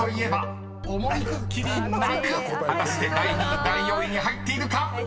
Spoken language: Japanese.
［果たして第２位第４位に入っているか］